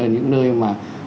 những nơi mà